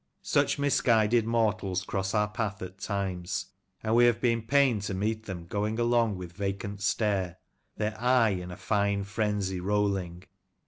Such misguided mortals cross our path at times, and we have been pained to meet them going along with vacant stare, " their eye in a fine frenzy rolling."